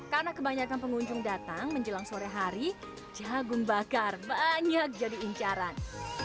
karena kebanyakan pengunjung datang menjelang sore hari jagung bakar banyak jadi incaran